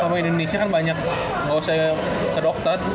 kalau indonesia kan banyak gak usah ke dokter